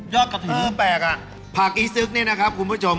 กระทะแปลกอ่ะผักอีซึกเนี่ยนะครับคุณผู้ชม